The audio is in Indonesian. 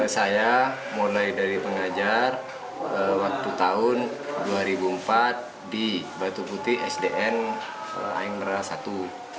saya mulai dari pengajar waktu tahun dua ribu empat di batu putih sdn aingra i